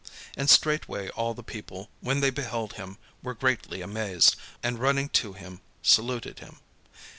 And straightway all the people, when they beheld him, were greatly amazed, and running to him saluted him.